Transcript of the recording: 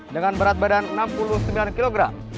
dengan berat badan enam puluh sembilan kg